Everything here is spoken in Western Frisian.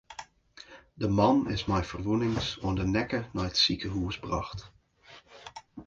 De man is mei ferwûnings oan de nekke nei it sikehûs brocht.